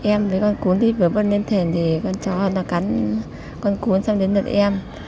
em với con cuốn đi bước bước lên thền con chó nó cắn con cuốn xong đến đợt em